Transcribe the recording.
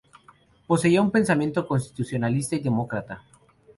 Poseía un pensamiento constitucionalista y demócrata.